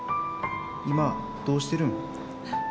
今どうしてるん？